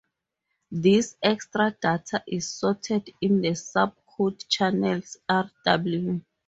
This extra data is stored in the subcode channels R-W.